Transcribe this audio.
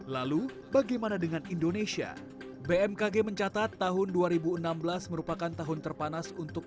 lalu bagaimana dengan indonesia bmkg mencatat tahun dua ribu enam belas merupakan tahun terpanas untuk